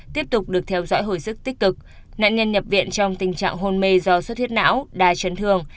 tiếp tục được theo dõi hồi sức tích cực nạn nhân nhập viện trong tình trạng hôn mê do xuất huyết não đa chấn thương